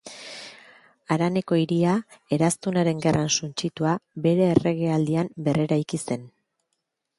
Haraneko Hiria, Eraztunaren Gerran suntsitua, bere erregealdian berreraiki zen.